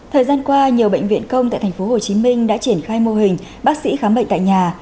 thời gian qua nhiều bệnh viện công tại tp hcm đã triển khai mô hình bác sĩ khám bệnh tại nhà